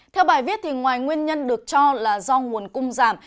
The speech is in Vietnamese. theo bài viết ngoài nguyên nhân được cho là do nguồn cung giảm